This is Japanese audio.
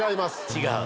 違う。